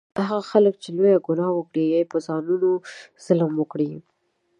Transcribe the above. هغه خلک چې لویه ګناه وکړي او یا په ځانونو ظلم وکړي